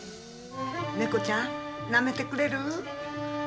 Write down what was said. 猫ちゃん、なめてくれる？